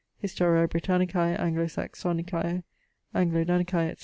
Historiae Britannicae, Anglo Saxonicae, Anglo Danicae, etc.